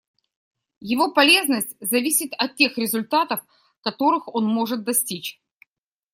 Его полезность зависит от тех результатов, которых он может достичь.